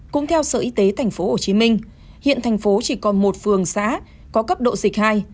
cũng theo sở y tế thành phố hồ chí minh hiện thành phố chỉ còn một phường xã có cấp độ dịch hai